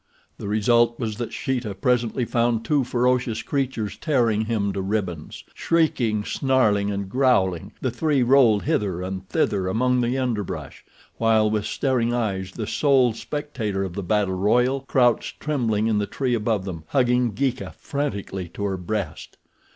The result was that Sheeta presently found two ferocious creatures tearing him to ribbons. Shrieking, snarling and growling, the three rolled hither and thither among the underbrush, while with staring eyes the sole spectator of the battle royal crouched trembling in the tree above them hugging Geeka frantically to her breast.